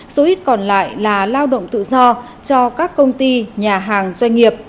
số ít còn lại là lao động tự do cho các công ty nhà hàng doanh nghiệp